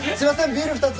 ビール２つ！